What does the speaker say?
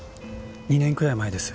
２年くらい前です。